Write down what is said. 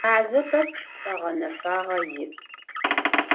Мазэ пэпчъ цӏэ гъэнэфагъэ иӏ.